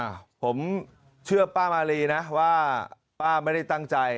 อ่ะผมเชื่อป้ามารีนะว่าป้าไม่ได้ตั้งใจ